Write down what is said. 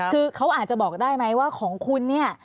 คือเขาอาจจะบอกได้ไหมว่าของคุณเนี่ย